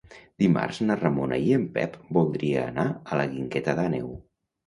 Dimarts na Ramona i en Pep voldria anar a la Guingueta d'Àneu.